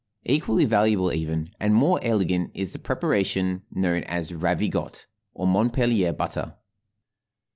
Equally valuable, even, and more elegant is the preparation known as "Ravigotte" or Montpellier butter.